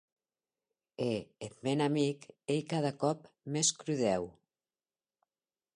E eth mèn amic ei cada còp mès crudèu!